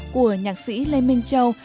của nhạc sĩ lê minh châu